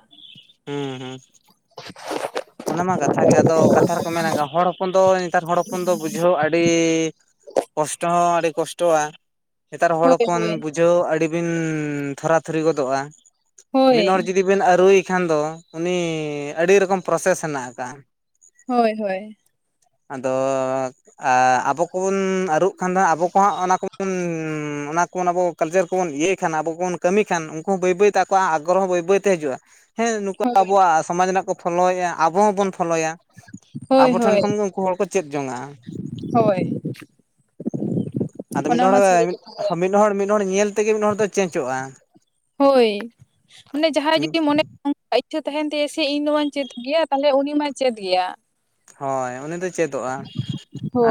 ᱦᱩᱸ ᱦᱩᱸ [inaudible] ᱚᱱᱟ ᱢᱟ ᱠᱟᱛᱷᱟ ᱜᱮ ᱟᱫᱚ ᱠᱟᱛᱷᱟ ᱨᱮᱠᱚ ᱢᱮᱱᱜᱟ ᱦᱚᱲ ᱦᱚᱯᱚᱱ ᱫᱚ ᱱᱮᱛᱟᱨ ᱦᱚᱲ ᱦᱚᱯᱚᱱ ᱫᱚ ᱵᱩᱡᱷᱟᱹᱣ ᱟᱹᱰᱤ ᱠᱚᱥᱴᱚ ᱦᱚᱸ ᱟᱹᱰᱤ ᱠᱚᱥᱴᱚ ᱠᱚᱥᱴᱚᱜᱼᱟ ᱱᱮᱛᱟᱨ ᱦᱚᱲ ᱦᱳᱭ ᱦᱚᱯᱚᱱ ᱦᱳᱭ ᱵᱩᱡᱷᱟᱹᱣ ᱟᱹᱰᱤ ᱵᱤᱱ ᱛᱷᱚᱨᱟ ᱛᱷᱩᱨᱤ ᱜᱚᱫᱚᱜᱼᱟ ᱢᱤᱫ ᱦᱚᱲ ᱦᱳᱭ ᱡᱩᱫᱤ ᱵᱤᱱ ᱟᱹᱨᱩᱭ ᱠᱷᱟᱱ ᱫᱚ ᱩᱱᱤ ᱟᱹᱰᱤ ᱨᱚᱠᱚᱢ ᱯᱨᱚᱥᱮᱥ ᱦᱮᱱᱟᱜ ᱟᱠᱟᱜᱼᱟ ᱦᱳᱭ ᱦᱳᱭ ᱟᱫᱚ ᱻᱻ ᱮᱻ ᱟᱵᱚ ᱠᱚᱵᱚᱱ ᱟᱹᱨᱩ ᱠᱷᱟᱱ ᱫᱚ ᱦᱟᱸᱜ ᱟᱵᱚ ᱠᱚ ᱦᱟᱸᱜ ᱚᱱᱟ [unintelligible] ᱠᱚᱵᱚᱱ ᱚᱱᱟ ᱠᱚ ᱟᱵᱚ ᱠᱟᱞᱪᱟᱨ ᱠᱚᱵᱚᱱ ᱤᱭᱟᱹᱭ ᱠᱷᱟᱱ ᱟᱵᱚ ᱠᱚᱵᱚᱱ ᱠᱟᱹᱢᱤ ᱠᱷᱟᱱ ᱩᱱᱠᱩ ᱦᱚᱸ ᱵᱟᱹᱭ ᱵᱟᱹᱭ ᱛᱮ ᱟᱠᱚᱣᱟᱜ ᱟᱜᱽᱜᱨᱚ ᱦᱚᱸ ᱵᱟᱹᱭ ᱵᱟᱹᱭ ᱛᱮ ᱦᱤᱡᱩᱜᱼᱟ᱾ ᱦᱮᱸ ᱱᱩᱠᱩ ᱦᱳᱭ ᱟᱵᱚᱣᱟᱜ ᱥᱚᱢᱟᱡᱽ ᱨᱮᱱᱟᱜ ᱠᱚ ᱯᱷᱳᱞᱳᱭᱮᱫᱼᱟ, ᱟᱵᱚ ᱦᱚᱸᱵᱚᱱ ᱯᱷᱳᱞᱳᱭᱟ, ᱦᱳᱭ ᱟᱵᱚ ᱴᱷᱮᱱ ᱦᱳᱭ ᱠᱷᱚᱱ ᱜᱮ ᱩᱱᱠᱩ ᱩᱱᱠᱩ ᱦᱚᱲ ᱠᱚ ᱪᱮᱫ ᱡᱚᱝᱼᱟ᱾ ᱦᱳᱭ [inaudible] ᱟᱫᱚ ᱢᱤᱫ ᱦᱚᱲ ᱢᱟ ᱥᱟᱹᱨᱤ ᱠᱟᱛᱷᱟ ᱜᱮ ᱢᱤᱫ ᱦᱚᱲ ᱢᱤᱫ ᱦᱚᱲ ᱧᱮᱞ ᱛᱮᱜᱮ ᱢᱤᱫ ᱦᱚᱲ ᱫᱚ ᱪᱮᱸᱪᱚᱜᱼᱟ᱾ ᱦᱳᱭ ᱢᱟᱱᱮ ᱡᱟᱦᱟᱸ ᱢᱚᱱᱮ ᱚᱝ ᱤᱪᱪᱷᱟᱹ ᱛᱟᱦᱮᱱ ᱛᱟᱭᱟ ᱥᱮ ᱤᱧ ᱱᱟᱣᱟᱧ ᱪᱮᱫ ᱜᱮᱭᱟ ᱛᱟᱦᱮᱞᱮ ᱩᱱᱤᱢᱟᱭ ᱪᱮᱫ ᱜᱮᱭᱟ ᱦᱳᱭ ᱩᱱᱤᱫᱭ ᱪᱮᱫᱚᱜᱼᱟ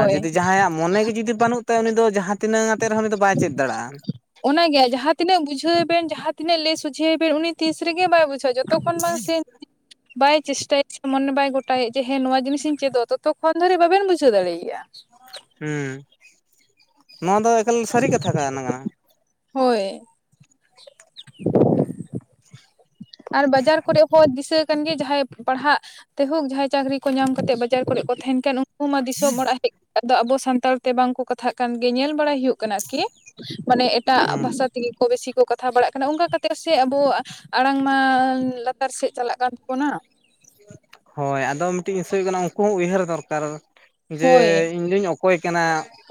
ᱟᱨ ᱡᱩᱫᱤ ᱡᱟᱦᱟᱸᱭᱟᱜ ᱢᱚᱱᱮ ᱜᱮ ᱡᱩᱫᱤ ᱵᱟᱹᱱᱩᱜ ᱩᱱᱤ ᱫᱚ ᱡᱟᱦᱟᱸ ᱛᱤᱱᱟᱹᱜ ᱟᱛᱮ ᱨᱮᱦᱚ ᱩᱱᱤ ᱫᱚ ᱵᱟᱭ ᱪᱮᱫ ᱫᱟᱲᱮᱼᱟ ᱚᱱᱟ ᱜᱮ ᱡᱟᱦᱟᱸ ᱛᱤᱱᱟᱹᱜ ᱵᱩᱡᱷᱟᱹᱣᱮ ᱵᱤᱱ ᱡᱟᱦᱟᱸ ᱛᱤᱱᱟᱹᱜ ᱞᱟᱹᱭ ᱥᱩᱡᱷᱟᱹᱭᱮ ᱵᱤᱱ ᱩᱱᱤ ᱛᱤᱥ ᱨᱮᱜᱮ ᱵᱟᱭ ᱵᱩᱡᱷᱟᱹᱣᱟ ᱡᱚᱛᱚ ᱛᱚᱠᱷᱚᱱ ᱵᱟᱝ ᱥᱮ [unintelligible] ᱵᱟᱭ ᱪᱮᱥᱴᱟᱭᱟ ᱥᱮ ᱢᱚᱱᱮ ᱵᱟᱭ ᱜᱚᱴᱟᱭᱮᱫ ᱡᱮ ᱦᱮᱸ ᱱᱚᱣᱟ ᱡᱤᱱᱤᱥ ᱤᱧ ᱪᱮᱫᱚᱜ ᱛᱚᱛᱚ ᱠᱷᱚᱱ ᱫᱷᱟᱹᱨᱤᱡ ᱵᱟᱵᱤᱱ ᱵᱩᱡᱷᱟᱹ ᱫᱟᱲᱮᱭᱟᱜᱼᱟ ᱦᱩᱸ ᱱᱚᱶᱟ ᱫᱚ ᱮᱠᱟᱞ ᱥᱟᱹᱨᱤ ᱠᱟᱛᱷᱟ ᱠᱟᱱᱟ ᱚᱱᱟᱜ ᱦᱳᱭ ᱟᱨ ᱵᱟᱡᱟᱨ ᱠᱚᱨᱮ ᱦᱚᱸ ᱫᱤᱥᱟᱹ ᱠᱟᱱ ᱜᱮ ᱡᱟᱦᱟᱸᱭ ᱯᱟᱲᱦᱟᱜ ᱛᱮ ᱦᱳᱠ ᱡᱟᱦᱟᱸᱭ ᱪᱟᱹᱠᱨᱤ ᱠᱚ ᱧᱟᱢ ᱠᱟᱛᱮᱫ ᱵᱟᱡᱟᱨ ᱠᱚᱨᱮᱜ ᱠᱚ ᱛᱟᱦᱮᱱ ᱠᱟᱱ ᱩᱱᱠᱩ ᱩᱱᱠᱩ ᱢᱟ ᱫᱤᱥᱚᱢ ᱚᱲᱟᱜ ᱦᱮᱡ ᱠᱟᱛᱮ ᱫᱚ ᱟᱵᱚ ᱥᱟᱱᱛᱟᱲ ᱛᱮ ᱵᱟᱝᱠᱚ ᱠᱟᱛᱷᱟᱜ ᱠᱟᱱ ᱜᱮ ᱧᱮᱞ ᱵᱟᱲᱟᱭ ᱦᱩᱭᱩᱜ ᱠᱟᱱᱟ᱾ ᱱᱚᱝᱠᱟ ᱟᱨᱠᱤ ᱢᱟᱱᱮ ᱮᱴᱟᱜ ᱦᱩᱸ ᱵᱷᱟᱥᱟ ᱛᱮ, ᱫᱤᱠᱩ ᱛᱮᱜᱮ ᱠᱚ ᱵᱮᱥᱤ ᱠᱚ ᱠᱟᱛᱷᱟ ᱵᱟᱲᱟᱜ ᱠᱟᱱᱟ ᱚᱱᱠᱟ ᱠᱟᱛᱮ ᱥᱮ ᱟᱵᱚᱣᱟᱜ ᱟᱲᱟᱝ ᱢᱟ ᱞᱟᱛᱟᱨ ᱥᱮᱫ ᱪᱟᱞᱟᱜ ᱠᱟᱱ ᱛᱟᱵᱚᱱᱟ᱾ ᱦᱳᱭ ᱟᱫᱚ ᱢᱤᱫᱴᱤᱡᱤᱥᱳ ᱠᱟᱱᱟ ᱩᱱᱠᱩ ᱦᱚᱸ ᱩᱭᱟᱦᱟᱹᱨ ᱫᱚᱨᱠᱟᱨ ᱡᱮ ᱦᱳᱭ ᱤᱧᱫᱳᱧ ᱚᱠᱚᱭ ᱠᱟᱱᱟ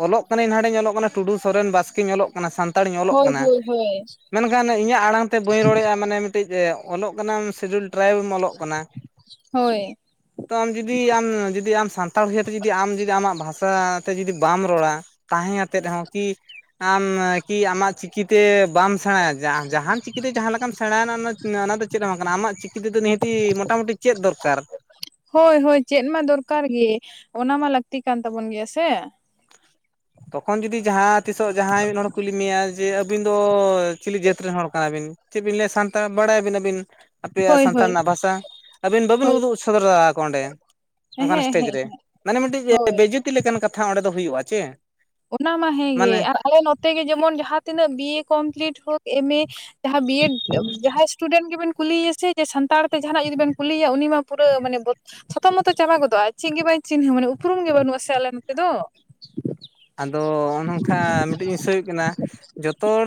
ᱚᱞᱚᱜ ᱠᱟᱱᱟᱱᱟᱹᱧ ᱦᱰᱮᱧ ᱚᱞᱚᱜ ᱠᱟᱱᱟ ᱴᱩᱰᱩ ᱥᱚᱨᱮᱱ ᱵᱟᱥᱠᱮᱧ ᱚᱞᱚᱜ ᱠᱟᱱᱟ ᱥᱟᱱᱛᱟᱲ ᱥᱛᱟᱲᱤᱧ ᱚᱞᱚᱜ ᱦᱳᱭ ᱠᱟᱱᱟ ᱦᱳᱭ ᱦᱳᱭ ᱢᱮᱱᱠᱷᱟᱱ ᱤᱧᱟᱹᱜ ᱟᱲᱟᱝ ᱛᱮ ᱵᱟᱹᱧ ᱨᱚᱲᱮᱫᱼᱟ ᱢᱟᱱᱮ ᱚᱞᱚᱜ ᱠᱟᱱᱟᱢ ᱥᱤᱰᱩᱞ ᱴᱨᱟᱭᱤᱵ ᱮᱢ ᱚᱞᱚᱜ ᱠᱟᱱᱟ ᱦᱳᱭ ᱛᱚ ᱟᱢ ᱡᱩᱫᱤ ᱟᱢ ᱡᱩᱫᱤ ᱟᱢ ᱥᱟᱱᱛᱟᱲ ᱤᱭᱟᱹᱛᱮ ᱡᱩᱫᱤ ᱟᱢ ᱡᱩᱫᱤ ᱟᱢᱟᱜ ᱵᱷᱟᱥᱟ ᱛᱮ ᱡᱩᱫᱤ ᱵᱟᱢ ᱨᱚᱲᱟ ᱛᱟᱦᱮᱸ ᱟᱛᱮ ᱦᱚᱸ ᱠᱤ ᱟᱢ ᱠᱤ ᱟᱢᱟᱜ ᱪᱤᱠᱤᱛᱮ ᱵᱟᱢ ᱥᱮᱬᱟᱭᱟ ᱡᱟᱦᱟᱱ ᱪᱤᱠᱤᱛᱮ ᱡᱟᱦᱟᱸ ᱞᱮᱠᱟᱢ ᱥᱮᱬᱟᱭᱱᱟ ᱚᱱᱟ ᱫᱚ ᱪᱮᱫ ᱦᱚᱸ ᱵᱟᱝ ᱠᱟᱱᱟ ᱟᱢᱟᱜ ᱪᱤᱠᱤ ᱛᱚ ᱱᱤᱦᱟᱹᱛᱤ ᱢᱚᱴᱟᱢᱩᱴᱤ ᱪᱮᱫ ᱫᱚᱨᱠᱟᱨ ᱦᱳᱭ ᱦᱳᱭ ᱪᱮᱫ ᱢᱟ ᱫᱚᱨᱠᱟᱨ ᱜᱮ ᱚᱱᱟ ᱢᱟ ᱞᱟᱹᱠᱛᱤ ᱠᱟᱱ ᱛᱟᱵᱚᱱ ᱜᱮᱭᱟ ᱥᱮ ᱛᱚᱠᱷᱚᱱ ᱡᱩᱫᱤ ᱡᱟᱦᱟᱸ ᱛᱤᱥᱚᱜ ᱡᱟᱦᱟᱸᱭ ᱢᱤᱫ ᱦᱚᱲ ᱠᱩᱞᱤ ᱢᱮᱭᱟ ᱡᱮ ᱟᱹᱵᱤᱱ ᱫᱚ ᱪᱤᱞᱤ ᱡᱟᱹᱛ ᱨᱮᱱ ᱦᱚᱲ ᱠᱟᱱᱟᱵᱤᱱ ᱪᱮᱫ ᱵᱤᱱ ᱞᱟᱹᱭᱟ ᱥᱟᱱᱛᱟᱲ ᱵᱟᱲᱟᱭᱟᱵᱤᱱ ᱟᱹᱵᱤᱱ ᱟᱯᱮᱭᱟᱜ ᱦᱳᱭ ᱥᱟᱱᱛᱟᱲ ᱦᱳᱭ ᱨᱮᱱᱟᱜ ᱵᱷᱟᱥᱟ? ᱟᱹᱵᱤᱱ ᱵᱟᱹᱵᱤᱱ ᱦᱳᱭ ᱩᱫᱩᱜ ᱥᱚᱫᱚᱨ ᱫᱟᱭᱮ ᱟᱠᱚ ᱚᱸᱰᱮ ᱦᱮᱸ ᱚᱱᱠᱟᱱ ᱮᱥᱴᱮᱡ ᱦᱮᱸ ᱨᱮ ᱢᱟᱱᱮ ᱢᱤᱫᱴᱤᱡ ᱦᱳᱭ ᱮ ᱵᱮᱡᱟᱹᱛ ᱛᱤ ᱞᱮᱠᱟᱱ ᱠᱟᱛᱷᱟ ᱚᱸᱰᱮ ᱫᱚ ᱦᱩᱭᱩᱜᱼᱟ ᱪᱮ? ᱚᱱᱟ ᱢᱟ ᱦᱮᱸᱜᱮ ᱢᱟᱱᱮ ᱟᱨ ᱟᱞᱮ ᱱᱚᱛᱮ ᱜᱮ ᱡᱮᱢᱚᱱ ᱡᱟᱦᱟᱸ ᱛᱤᱱᱟᱹᱜ ᱵᱤᱭᱮ ᱠᱚᱢᱯᱞᱤᱴ ᱦᱳᱠ ᱮᱢᱮ ᱡᱟᱦᱟᱸ ᱵᱤᱭᱮᱰ ᱡᱟᱦᱟᱸᱭ ᱥᱴᱩᱰᱮᱱᱴ ᱜᱮᱵᱮᱱ ᱠᱩᱞᱤᱭᱮ ᱥᱮ ᱡᱮ ᱥᱟᱱᱛᱟᱲ ᱛᱮ ᱡᱟᱦᱟᱱᱟᱜ ᱡᱩᱫᱤ ᱵᱮᱱ ᱠᱩᱞᱤᱭᱮᱭᱟ ᱩᱱᱤᱢᱟ ᱯᱩᱨᱟᱹ ᱢᱟᱱᱮ ᱵᱚᱛ ᱪᱷᱚᱛᱚᱼᱢᱚᱛᱚ ᱪᱟᱵᱟ ᱜᱚᱫᱚᱜᱼᱟ ᱪᱤᱜ ᱜᱮ ᱵᱟᱭ ᱪᱤᱱᱦᱟᱹ ᱢᱟᱱᱮ ᱩᱯᱨᱩᱢ ᱜᱮ ᱵᱟᱹᱱᱩᱜᱼᱟ ᱥᱮ ᱟᱞᱮ ᱱᱚᱛᱮ ᱫᱚ᱾ ᱟᱫᱚ ᱚ-ᱱᱚᱝᱠᱷᱟ ᱢᱤᱫᱴᱮᱡ ᱤᱥᱤᱥᱟᱹ ᱩᱜ ᱠᱟᱱᱟ ᱡᱚᱛᱚ ᱦᱚᱲ